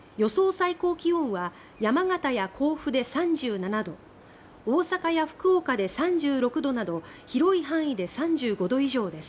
最高気温は山形や甲府で３７度大阪や福岡で３６度など広い範囲で３５度以上です。